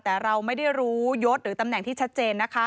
แต่เราไม่ได้รู้ยศหรือตำแหน่งที่ชัดเจนนะคะ